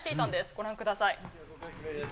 ご覧ください。